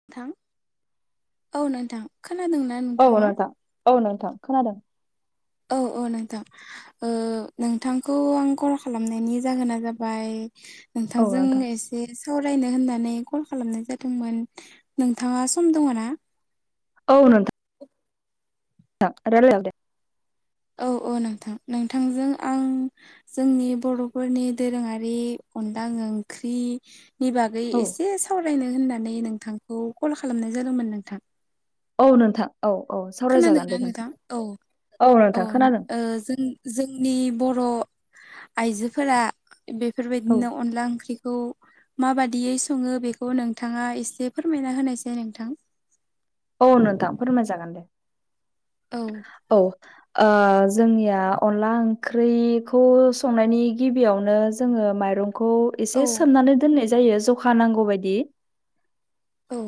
नोंथां औ नोंथां खोनादों ना? औ नोंथां औ नोंथां खोनादों। औ औ नोंथां नोंथांखौ आं कल खालामनायनि जाहोना जाबाय औ नोंथांजों नोंथां ए से सावरायनो होननानै कल खालामनाय जादोंमोन। नोंथाङा सम दङ ना? औ नोंथां। [unintelligible] औ औ नोंथां नोंथांजों आं जोंनि बर'फोरनि दोरोङारि अनला ओंख्रि नि बागै औ बागै एसे सावरायनो होननानै नोंथांखौ कल खालामनाय जादोंमोन नोंथां। औ नोंथां औ औ सावरायजागोन खोनादोंना दे नोंथां औ औ नोंथां खोनादों। ओ जों जोंनि बर' आइजोफोरा औ बेफोरबायदिनो अनला ओंख्रिखौ माबादियै सङो बेखौ नोंथाङा एसे फोरमायना होनोसै नोंथां। औ नोंथां फोरमायजागोन दे औ। औ जोंनिया अनला ओंख्रिखौ संनायनि गिबियावनो जोङो माइरं खौ एसे औ सोमनानै दोननाय जायो जखा नांगौ बायदि औ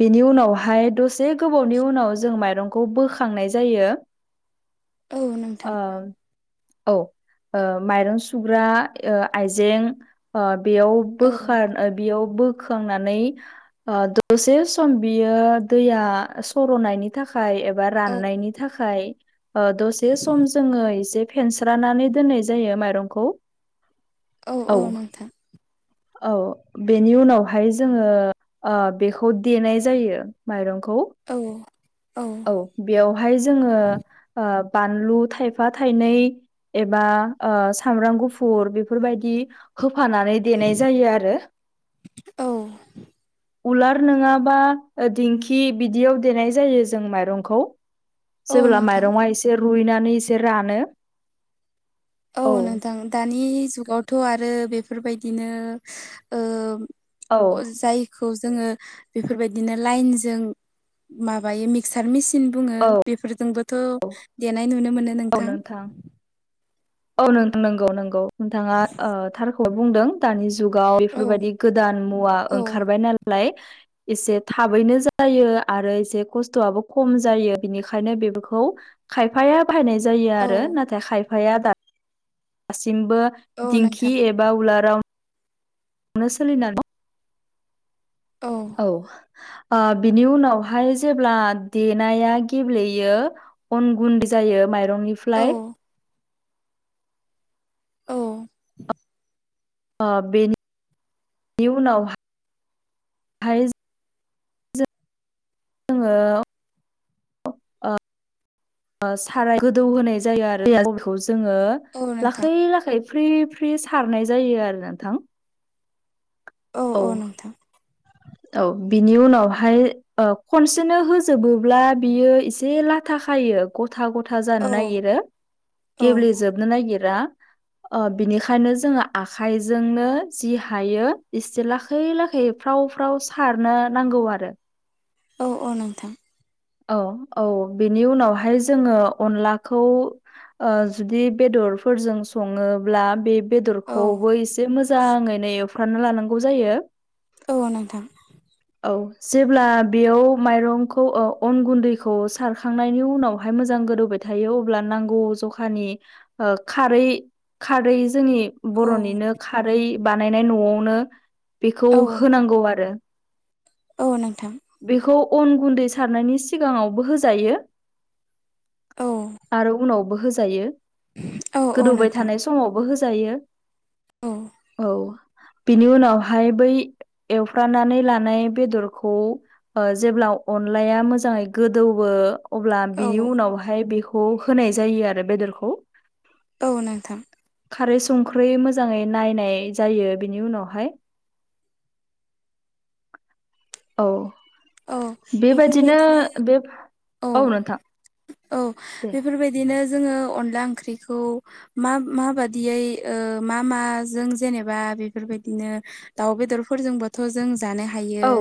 बेनि उनावहाय दसे गोबावनि उनाव जों माइरंखौ बोखांनाय जायो। औ नोंथां ओं औ माइरं सुग्रा आइजें बा बेयाव औ बोखार बेयाव बोखांनानै आ दसे सम बियो दैया सर'नायनि थाखाय एबा औ राननायनि थाखाय दसे सम जोङो एसे फेनस्रानानै दोननाय जायो माइरंखौ। औ औ नोंथां। औ बेनि उनावहाय जोङो बेखौ देनाय जायो माइरंखौ औ-औ बेयावहाय जोङो बानलु थायफा थायनै एबा सामब्राम गुफुर बेफोरबायदि होफानानै देनाय जायो आरो। औ उलार नङाबा दिंखि बिदियाव देनाय जायो जों माइरंखौ औ जेब्ला नोंथां माइरङा एसे रुइनानै एसे रानो औ नोंथां दानि जुगावथ' आरो बेफोरबायदिनो औ ओ [unintelligible] खौ जोङो बेफोरबायदिनो लाइनजों माबायो मिक्सार मिसिन बुङो औ बेफोरजोंबोथ' देनाय नुनो मोनो नोंथां। औ नंगौ-नंगौ नोंथाङा थारखौ बुंदों। दानि जुगाव औ बेफोरबायदि गोदान मुवा औ ओंखारबाय नालाय एसे थाबैनो जायो आरो एसे खस्थ'आबो खम जायो बिनिखायनो बेफोरखौ खायफाया बाहायनाय जायो आरो औ नाथाय खायफाया दासिमबो औ नोंथां दिंखि एबा उलाराव नो सोलिना दं। औ औ बिनि उनावहाय जेब्ला देनाया गेब्लेयो अन गुन्दै जायो माइरंनिफ्राय [inaudible] औ बेनि उनावहाय जोङो साराय गोदौ होनाय जायो आरो अनखौ जोङो औ नोंथां लाखै लाखै फ्रि फ्रि सारनाय जायो आरो नोंथां। औ औ बिनि उनावहाय खनसेनो होजोबोब्ला बियो एसे लाथा खायो। गथा गथा औ जानो नागिरो औ गेब्लेेजोबनो नागिरा बिनिखायनो जोङो आखाइजोंनो जि हायो एसे लाखै लाखै फ्राव फ्राव सारनो नांगौ आरो। औ औ नोंथां औ औ बेनि उनावहाय जोङो अनलाखौ जुदि बेदरफोरजों सङोब्ला बे औ बेदरखौबो एसे मोजाङैनो ए फ्रामना लानांगौ जायो। औ नोंथां। औ जेब्ला बेयाव माइरंखौ औ अन गुन्दैखौ सारखांनायनि उनावहाय मोजां गोदौबाय थायो अब्ला नांगौ जखानि खारै खारै जोंनि औ बर'निनो खारै बानायनाय न'आवनो बेखौ औ होनांगौ आरो औ नोंथां बेखौ अन गुन्दै सारनायनि सिगाङावबो होजायो औ आरो उनावबो होजायो औ औ गोदौबाय नोंथां थानाय समावबो होजायो। औ औ बिनि उनावहाय बै एवफ्रानानै लानाय बेदरखौ जेब्ला अ अनलाया मोजांयै गोदौयो अब्ला औ बिनि उनाहाय हाय बेखौ होनाय जायो आरो बेदरखौ औ नोंथां खारै संख्रै मोजाङै नायनाय जायो बेनि उनावहाय औ औ बेबादिनो बेफोरबायदिनो बे औ नोंथां औ दे बेफोरबायदिनो जोङो अनला ओंख्रिखौ मा माबादियै मा माजों जेनेबा बेफोरबायदिनो दाउ बेदरफोरजोंबोथ' जों जानो हायो औ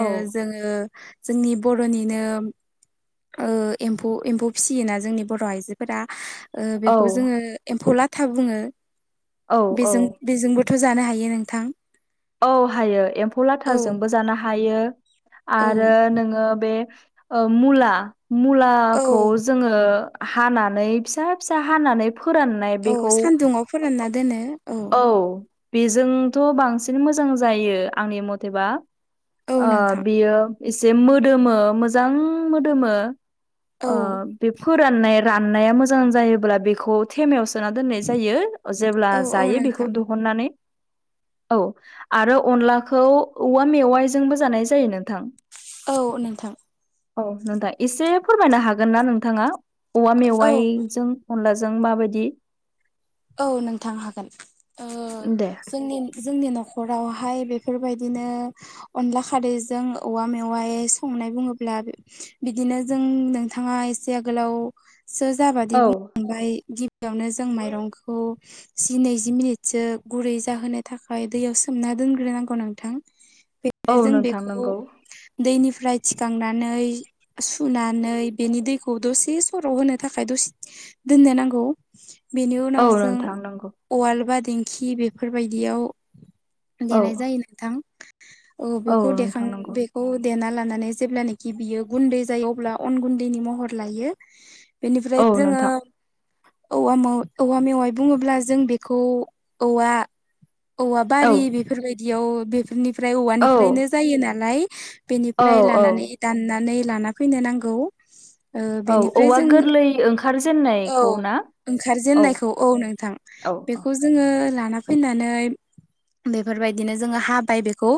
औ जों जोंनि बर'निनो एम्फौ एम्फौ फिसियोना जोंनि बर' आइजोफोरा औ बेखौ जोङो एम्फौ लाथा बुङो औ औ बेजों बेजोंबोथ' जानो हायो नोंथां औ हायो एम्फौ औ लाथाजोंबो जानो हायो औ आरो नोङो बे मुला औ मुलाखौ जोङो हानानै फिसा फिसा हानानै फोराननाय औ बेखौ सानदुङाव फोरानना दोनो औ औ बेजोंथ' बांसिन मोजां जायो आंनि मथेबा औ नोंथां बियो एसे मोदोमो मोजां मोदोमो औ बे फोराननाय राननाया मोजां जायोब्ला बेखौ थेमायाव सोना दोननाय जायो जेब्ला औ औ जायो बेखौ नोंथां दिहुननानै औ आरो अनलाखौ औवा मेवाइजोंबो जानाय जायो नोंथां औ नोंथां औ नोंथां एसे फोरमायनो हागोन ना नोंथाङा औवा औ मेवाइजों अनलाजों माबायदि औ नोंथां हागोन दे जोंनि जोंनि न'खरावहाय बेफोरबायदिनो अनला खारैजों औवा मेवाय संनाय बुङोब्ला बिदिनो जों नोंथाङा एसे आगोलाव सो जाबादि औ बुंलांबाय गिबियावनो जों माइरंखौ जि नैजि मिनिटसो गुरै जाहोनो थाखाय दैयाव सोमना दोनग्रोनांगौ नोंथां औ बे जों नोंथां बेखौ नंगौ दैनिफ्राय थिखांनानै सुनानै बेनि दैखौ दसे सराव होनो थाखाय दसे दोननो नांगौ बेनि उनाव जों थांनांगौ उवाल बा दिंखि बेफोरबायदियाव औ देनाय जायो नोंथां औ बेखौ देखां नोंथां नंगौ बे खौ देना लानानै जेब्लानखि बियो गुन्दै जायो अब्ला अन गुन्दैनि महर लायो बेनिफ्राय औ नोंथां जोङो औा मेवाइ बुङोब्ला जों बेखौ औवा औवा औ बारि बेफोरबायदियाव बेफोरनि ओमफ्राय औ औवानिफ्रायनो जायो नालाय औ बेनिफ्राय औ लानानै दाननानै लाना फैनो नांगौ बेनिफ्राय जों ओंखार जेननाय औ ओंखारजेेननायखौ औ नोंथां औ बेखौ जोङो लाना फैनानै बेफोरबायदिनो जोङो हाबाय बेखौ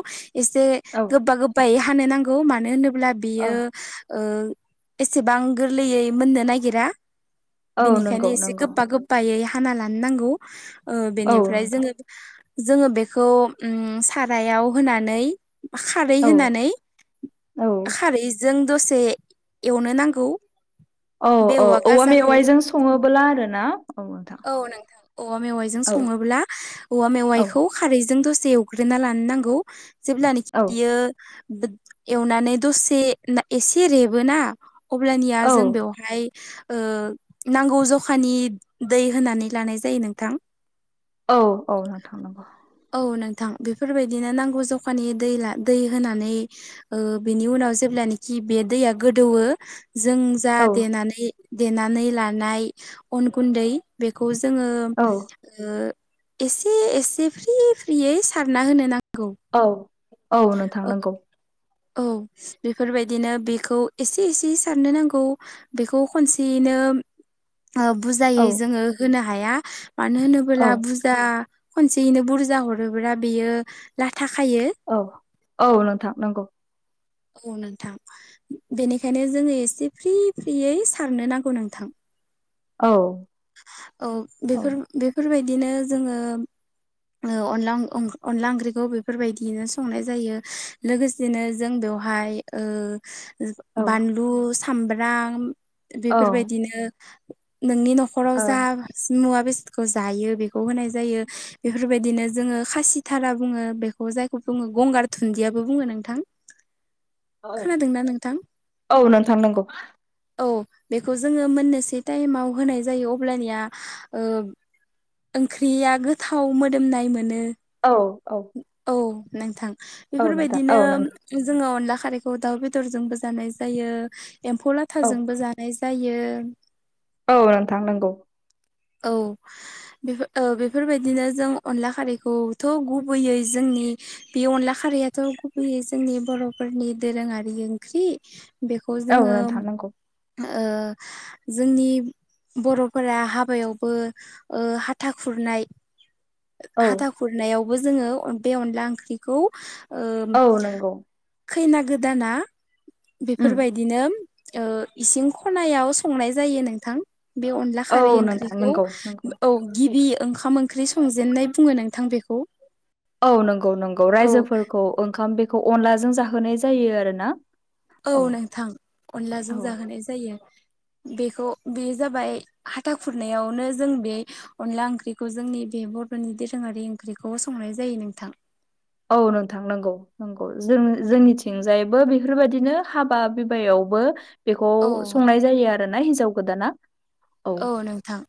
एसे औ गोबा गोबायै हानो नांगौ मानो होनोब्ला औ बियो एसेबां गोरलैयै मोननो नागिरा औ नंगौ बेनिखायनो एसे नंगौ गोबा गोबायै हाना लानो नांगौ औ बेनिफ्राय नोंथां जोङो जोङो बेखौ सारायाव होनानै खारै औ होनानै औ खारैजों दसे एवनो नांगौ औ बे औ औवा गाजाखौ मेवाइजों सङोबोला आरो ना औ नोंथां नोंथां औवा मेवाइजों औ सङोब्ला औवा औ मेवाइखौ खारैजों दसे एवग्रोना लानो नांगौ जेब्लानाखि औ बियो एवनानै दसे एसे रेबोना अब्लानिया औ जों बेयाव हाय नांगौ जखानि दै होनानै लानाय जायो नोंथां औ औ नोंथां नांगौ औ नोंथां बेफोरबायदिनो नांगौ जखानि दैला दै होनानै ओ बिनि उनाव जेब्लानाखि बे दैया गोदौओ जों जा औ दे देनानै लानाय अन गुन्दै बेखौ जोङो औ एसे एसे फ्रि फ्रियै सारना होनो नांगौ औ औ औ नोंथांनांगौ औ बेफोरबायदिनो बेखौ एसे एसे सारनो नांगौ बेखौ खनसेयैनो बुजायै औ जोङो होनो हाया मानो औ होनोब्ला जाा खनसेयैनो बुरजा हरोब्ला बेयो लाथाखायो औ औ नोंथां नंगौ औ नोंथां बेनिखायनो जोङो एसे फ्रि फ्रियै सारनो नांगौ नोंथां औ औ बेफोर बेफोरबायदिनो जोङो अन अनला ओंख्रिखौ बेफोरबायदिनो संनाय जायो लोगोसे बिदिनो जों बेवहाय औ बानलु सामब्राम औ ओ बेफोरबायदिनो नोंनि न'खर नखराव जा मुवा बेसादखौ जायो बेखौ होनाय जायो बेफोरबायदिनो जोङो खासिथारा बुङो बेखौ जायखौ बुङो गंगार थुुनन्दियाबो बुङो नोंथां खोनादोंना नोंथां औ नोंथां नंगौ औ बेखौ जोङो मोननैसो टाइमाव होनाय जायो अब्लानिया ओ ओंख्रिया गोथाव मोदोमनाय मोनो औ औ औ नोंथां औ नोंथां बेफोरबायदिनो औ नंगौ जोङो अनला खारैखौ दाउ बेदरजोंबो जानाय जायो एम्फौ औ लाथाजोंबो जानाय नाय जायो औ नोंथां नंगौ औ बेओ बेफोरबायदिनो जों अनला खारैखौथ' गुबैयै जोंनि बे अनला खारैयाथ' गुबैयै जोंनि बर'फोरनि दोरोङारि ओंख्रि। बेखौ औ जोङो नोंथां नंगौ ओ जोंनि बर'फोरा हाब बायावबो ओ हाथा खुरनाय औ हाथा खुर खुरनायावबो जोङो बे अनला ओंख्रिखौ ओ औ नंगौ खैना गोदाना उम बेफोरबायदिनो ओ इसिं खनायाव संनाय जायो नोंथां बे अनला औ खारै नोंथां ओंख्रिखौ नंगौ नंगौ औ गिबि ओंखाम ओंख्रि संजेन्नाय बुङो नोंथां बेखौ औ नंगौ नंगौ औ रायजोफोरखौ ओंखाम बेखौ अनलाजों जाहोनाय जायो आरो ना। औ नोंथां अनलाजों जाहोनाय जायो। बेखौ बेयो जाबाय हाथा खुरनायावनो जों बे अनला ओंख्रिखौ जोंनि बे बर'नि दोरोङारि ओंख्रिखौ संनाय जायो नोंथां। औ नोंथां नोंगौ। नंगौ जों जोंनिथिंजायबो बेफोरबायदिनो हाबा बिबायावबो बेखौ औ संनाय जायो आरो ना हिन्जाव गोदाना औ नोंथां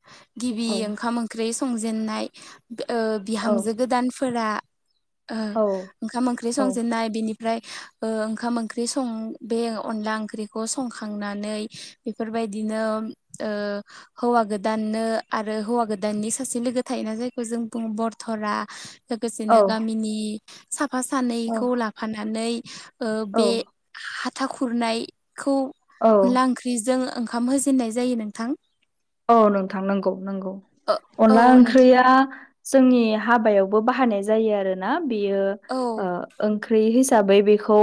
गिबि औ ओंखाम ओंख्रि संजेेननाय ओ औ बिहामजो गोदानफोरा ओ औ ओंखाम ओंख्रि औ संजेन्नाय बिनि ओमफ्राय ओ ओंखाम ओंख्रि सं बे अनला ओंख्रिखौ संखांनानै बेफोरबायदिनो ओ हौवा गोदाननो आरो हौवा गोदाननि सासे लोगो थायोना जायखौ जों बुङो बरथरा। लोगोसेनो औ गामिनि साफा सानैखौ लाफानानै ओ औ बे हाथा खुरनायखौ औ अनला ओंख्रिजों ओंखाम होजेनन्नाय जायो नोंथां। औ नोंथां नंगौ नंगौ। औ अनला नोंथां ओंख्रिया जोंनि हाबायावबो बाहायनाय जायो आरोना बेयो औ ओ ओंख्रि हिसाबै बेखौ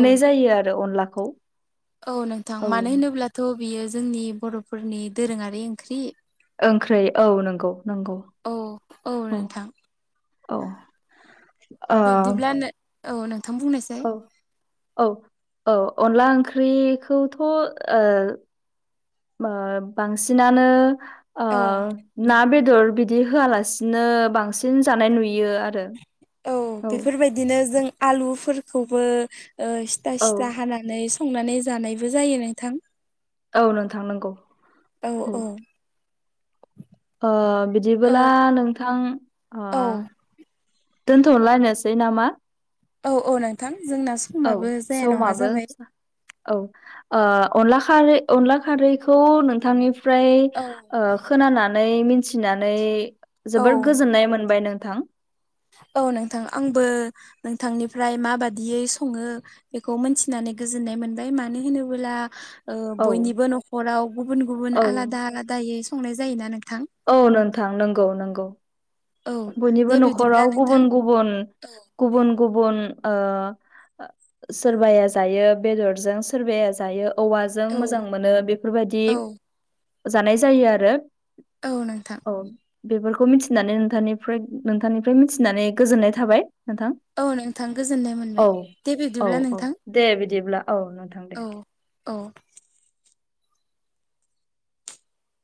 औ जायो आरो अनलाखौ। औ नोंथां औ मानो होनोब्लाथ' बियो जोंनि बर'फोरनि दोरोङारि ओंख्रि। ओंख्रै औ नंगौ नंगौ औ औ। औ। ओ बिबदिब्ला औ नोंथां बुंनायसाय। औ औ औ अनला ओंख्रिखौथ'ओ ओ बांसिनानो ओ औ ना बेदर बिदि होआलासे नो बांसिन जानाय नुयो आरो। औ बेफोरबायदिनो जों आलुफोरखौबो सिथा औ सिथा हानानै संनानै जानायबो जायो नोंथां औ नोंथां नंगौ औ औ। [inaudible] ओ औ बिदिबोब्ला नोंथां ओ दोन्थ'नोलायनोसै नामा? औ औ नोंथां जोंना औ समाबो जाया नङा समाबो जाबाय औ ओ अनला खारै अनला खारैखौ नोंथांनिफ्राय औ ओ खोनानानै मिथिनानै जोबोर औ गोजोननाय मोनबाय नोंथां। औ नोंथां आंबो नोंथांनिफ्राय माबादियै सङो बेखौ मोनथिनानै गोजोननाय मोनबाय मानो होनोब्ला ओ औ बयनिबो न'खराव गुबुन गुबुन औ आलादा आलादायै संनाय जायोना नोंथां। औ नोंथां नंगौ नंगौ। औ बयनिबो दे बिब्दिब्ला न'खराव गुबुन नोंथां गुबुन औ गुबुन गुबुन ओ सोरबाया जायो बेदरजों सोरबाया जायो औवा जों औ मोजां मोनो बेफोरबायदि औ जानाय जायो आरो। औ नोंथां। औ बेफोरखौ मिथिनानै नोंथांनिफ्राय नोंथांनिफ्राय मिथिनानै गोजोननाय थाबाय नोंथां। औ नोंथां गोजोननाय मोनबाय औ दे औ बिदिब्ला औ नोंथां। दे बिदिब्ला औ नोंथां। दे औ औ